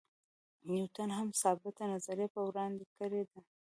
نیوټن هم ثابته نظریه وړاندې کړې ده.